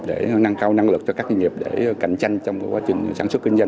để nâng cao năng lực cho các doanh nghiệp để cạnh tranh trong quá trình sản xuất